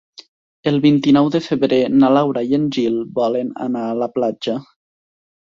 El vint-i-nou de febrer na Laura i en Gil volen anar a la platja.